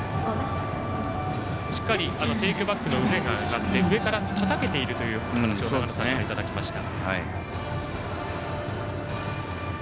しっかりテイクバックの腕が上がって上からたたけているという話を長野さんから、いただきました。